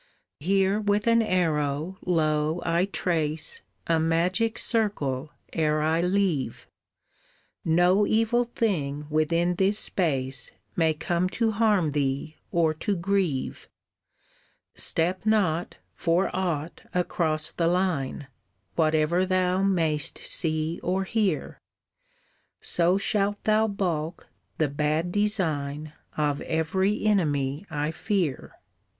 "Here with an arrow, lo, I trace A magic circle ere I leave, No evil thing within this space May come to harm thee or to grieve. Step not, for aught, across the line, Whatever thou mayst see or hear, So shalt thou balk the bad design Of every enemy I fear.